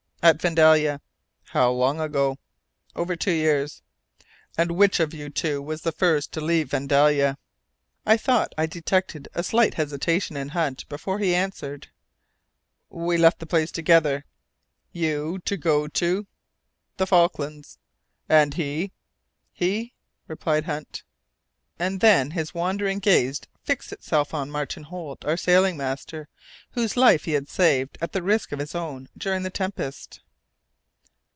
"At Vandalia." "How long ago?" "Over two years." "And which of you two was the first to leave Vandalia?" I thought I detected a slight hesitation in Hunt before he answered, "We left the place together." "You, to go to?" "The Falklands." "And he?" "He?" repeated Hunt. And then his wandering gaze fixed itself on Martin Holt, our sailing master, whose life he had saved at the risk of his own during the tempest.